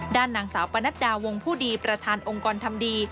ด้านนางสาวปนัดดาวงผู้ดีประธานองค์กรทำดี